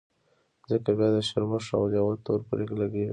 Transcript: ځکه بيا د شرمښ او لېوه تور پرې لګېږي.